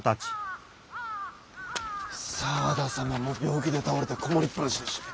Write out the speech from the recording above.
沢田様も病気で倒れて籠もりっぱなしだし。